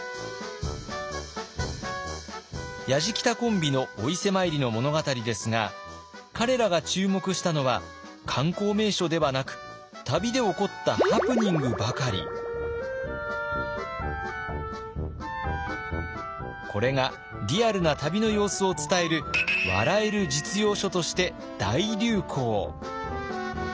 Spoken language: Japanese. やじきたコンビのお伊勢参りの物語ですが彼らが注目したのは観光名所ではなくこれがリアルな旅の様子を伝える笑える実用書として大流行。